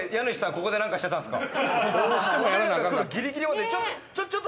ここで何かしてたんですか？